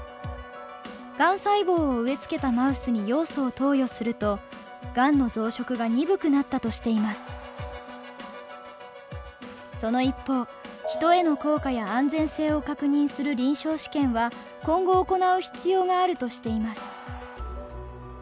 がん細胞を植えつけたマウスにヨウ素を投与するとその一方人への効果や安全性を確認する臨床試験は今後行う必要があるとしています。